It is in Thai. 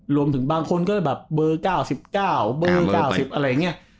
รวมถึงบางคนก็แบบเบอร์๙๙เบอร์๙๐อะไรอย่างนี้